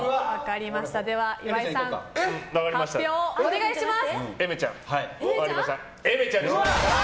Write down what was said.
では、岩井さん発表をお願いします。